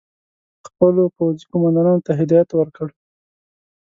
خپلو پوځي قوماندانانو ته هدایت ورکړ.